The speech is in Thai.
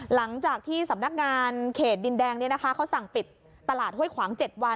หลังจากที่สำนักงานเขตดินแดงเขาสั่งปิดตลาดห้วยขวาง๗วัน